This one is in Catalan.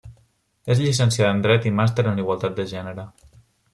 És llicenciada en dret i màster en igualtat de gènere.